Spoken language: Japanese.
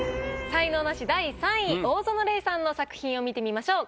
才能ナシ第３位大園玲さんの作品を見てみましょう。